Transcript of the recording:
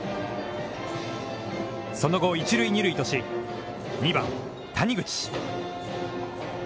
その後、一塁二塁とし２番、谷口。